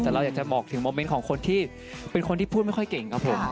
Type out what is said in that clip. แต่เราอยากจะบอกถึงโมเมนต์ของคนที่เป็นคนที่พูดไม่ค่อยเก่งครับผม